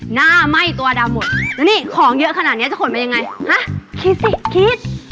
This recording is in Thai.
ไหม้ตัวดำหมดแล้วนี่ของเยอะขนาดเนี้ยจะขนมายังไงฮะคิดสิคิด